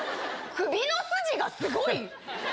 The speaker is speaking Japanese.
首の筋がすごい？